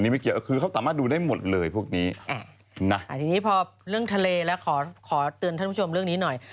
พวกนี้อ่ะอ่าทีนี้พอเรื่องทะเลแล้วขอขอเตือนท่านผู้ชมเรื่องนี้หน่อย